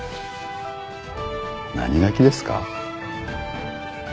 何泣きですか？